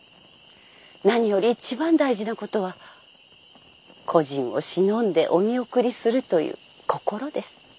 何より一番大事なことは故人をしのんでお見送りするという心です。